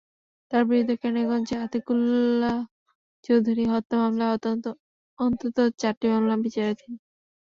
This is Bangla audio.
তাঁর বিরুদ্ধে কেরানীগঞ্জের আতিকুল্লাহ চৌধুরী হত্যা মামলাসহ অন্তত চারটি মামলা বিচারাধীন।